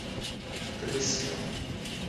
— Ты бы сел!